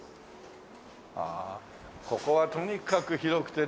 ここはとにかく広くてね。